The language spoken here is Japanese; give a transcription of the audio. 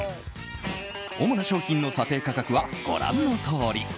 主な商品の査定価格はご覧のとおり。